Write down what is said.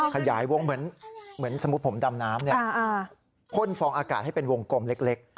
ขยายวงเหมือนสมมุติผมดำน้ำพ่นฟองอากาศให้เป็นวงกลมเล็ก